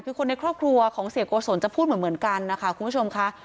คือคนในครอบครัวของเสียโกศลจะพูดเหมือนกันนะคะคุณผู้ชมค่ะ